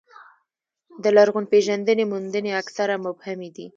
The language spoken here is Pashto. د لرغونپېژندنې موندنې اکثره مبهمې دي.